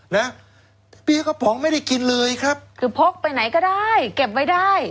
นะเปี๊ยกกระป๋องไม่ได้กินเลยครับคือพกไปไหนก็ได้เก็บไว้ได้